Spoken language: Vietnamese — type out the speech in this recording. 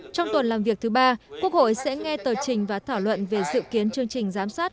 trong tuần làm việc thứ ba quốc hội sẽ nghe tờ trình và thảo luận về dự kiến chương trình giám sát